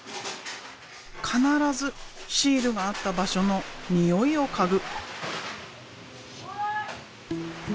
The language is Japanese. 必ずシールがあった場所の匂いを嗅ぐ。